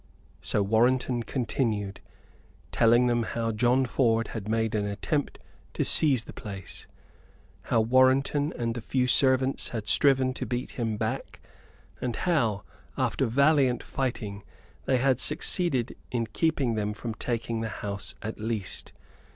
So Warrenton continued, telling them how John Ford had made an attempt to seize the place: how Warrenton and the few servants had striven to beat him back: and how, after valiant fighting, they had succeeded in keeping them from taking the house at least.